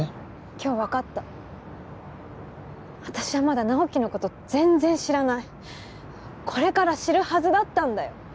今日分かった私はまだ直木のこと全然知らないこれから知るはずだったんだよ